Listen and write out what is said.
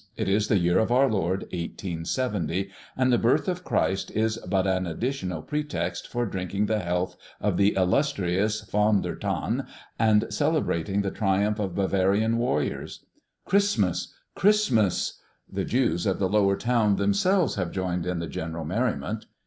It is the year of our Lord 1870; and the birth of Christ is but an additional pretext for drinking the health of the illustrious Von der Than, and celebrating the triumph of Bavarian warriors. Christmas! Christmas! The Jews of the lower town themselves have joined in the general merriment.